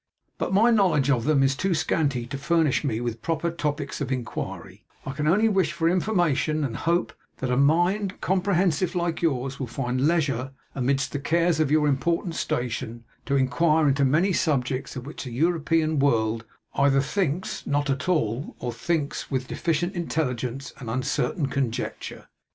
But my knowledge of them is too scanty to furnish me with proper topicks of enquiry; I can only wish for information; and hope, that a mind comprehensive like yours will find leisure, amidst the cares of your important station, to enquire into many subjects of which the European world either thinks not at all, or thinks with deficient intelligence and uncertain conjecture.